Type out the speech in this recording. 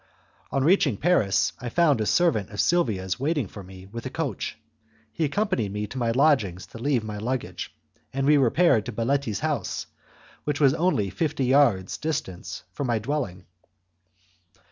On reaching Paris, I found a servant of Silvia's waiting for me with a coach; he accompanied me to my lodging to leave my luggage, and we repaired to Baletti's house, which was only fifty yards distant from my dwelling.